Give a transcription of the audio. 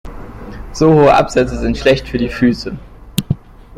So hohe Absätze sind schlecht für die Füße.